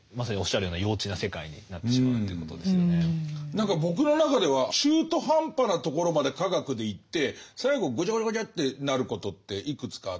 何か僕の中では中途半端なところまで科学でいって最後ごちゃごちゃごちゃってなることっていくつかあって。